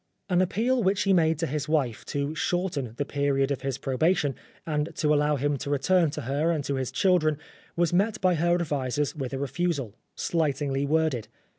248 XXI AN appeal which he made to his wife to shorten the period of his probation, and to allow him to return to her and to his children, was met by her advisers with a refusal, slightingly worded.